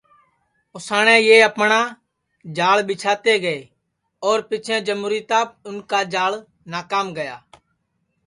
اُساٹؔے یہ اپٹؔا جال ٻیچھاتے گے اور پیچھیں جموُریتاپ اِن کا جال ناکام گیا